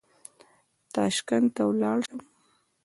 تاشکند ته ولاړ شم.